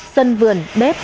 sân vườn bếp